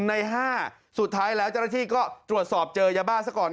ใน๕สุดท้ายแล้วเจ้าหน้าที่ก็ตรวจสอบเจอยาบ้าซะก่อน